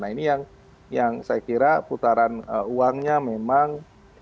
nah ini yang saya kira putaran uangnya memang